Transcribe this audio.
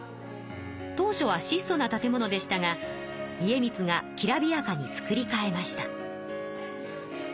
当初は質素な建物でしたが家光がきらびやかにつくり替えました。